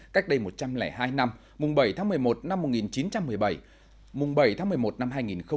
cách đây một trăm linh hai năm bảy tháng một mươi một năm một nghìn chín trăm một mươi bảy mùng bảy tháng một mươi một năm hai nghìn một mươi chín